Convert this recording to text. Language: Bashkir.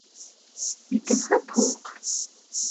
Битең һып-һыуыҡ.